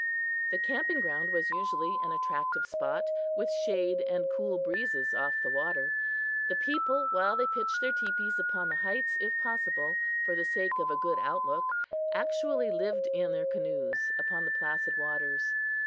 The camping ground was usually an attractive spot, with shade and cool breezes off the water. The people, while they pitched their teepees upon the heights, if possible, for the sake of a good outlook, actually lived in their canoes upon the placid waters.